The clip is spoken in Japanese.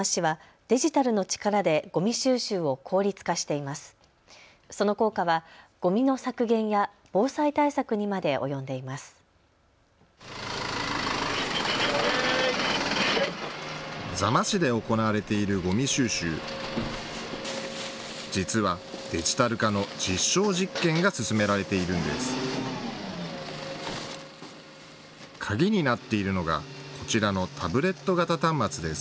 実は、デジタル化の実証実験が進められているんです。